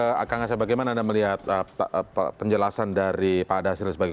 saya kembali ke kak angasya bagaimana anda melihat penjelasan dari pak asaud sebagai